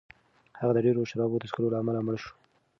هغه د ډېرو شرابو د څښلو له امله مړ شو.